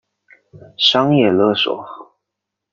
商业勒索